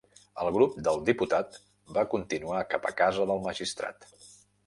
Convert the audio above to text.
El grup del diputat va continuar cap a casa del magistrat.